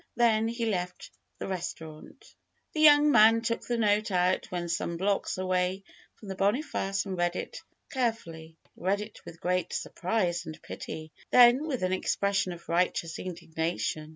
Then he left the restaurant. FAITH The young man took the note out when some blocks away from the Boniface and read it carefully. Bead it with great surprise and pity; then with an expres sion of righteous indignation.